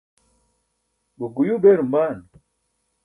gokguyuu beerum baan?